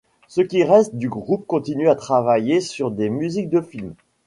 Ce qui reste du groupe continue à travailler sur des musiques de films.